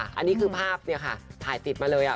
อันนี้คือภาพเนี่ยค่ะถ่ายติดมาเลย